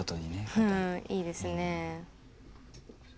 うんいいですね。